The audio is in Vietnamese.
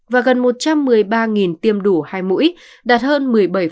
và gần một trăm một mươi ba tiêm đủ hai mũi đạt hơn một mươi bảy